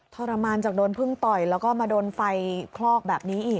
ทรมานจากโดนพึ่งต่อยแล้วก็มาโดนไฟคลอกแบบนี้อีก